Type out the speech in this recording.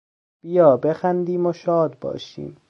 بیا بخندیم و شاد باشیم!